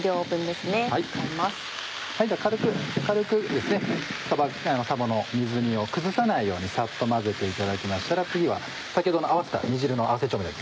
では軽くさばの水煮を崩さないようにさっと混ぜていただきましたら次は先ほどの合わせた煮汁の合わせ調味料